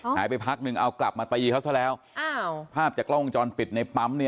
หายไปพักหนึ่งเอากลับมาตายเขาเท่าไหร่ภาพจากกล้องจอลปิดในปั๊ม